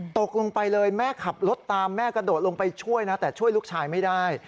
ตกลงไปเลยแม่ขับรถตามแม่กระโดดลงไปช่วยนะแต่ช่วยลูกชายไม่ได้